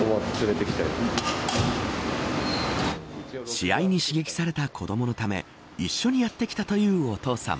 試合に刺激された子どものため一緒にやってきたというお父さん。